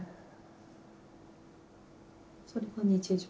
それが日常？